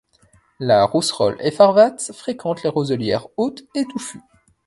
La rousserolle effarvatte fréquente les roselières hautes et touffues.